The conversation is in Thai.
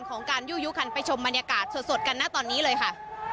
ของการยู่ยุคันไปชมบรรยากาศสดกันนะตอนนี้เลยค่ะ